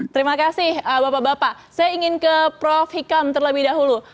terima kasih bapak bapak saya ingin ke prof hikam terlebih dahulu